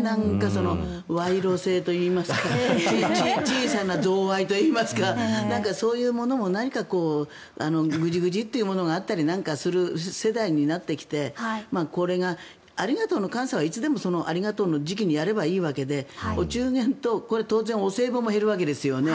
なんか、賄賂性といいますか小さな贈賄といいますかなんかそういうものも何かぐじぐじというものがあったりなんかする世代になってきてこれがありがとうの感謝はいつでも、ありがとうの時期にやればいいのでお中元とお歳暮もやるわけですよね。